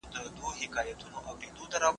د ټولني پرمختګ زموږ په لاس کي دی.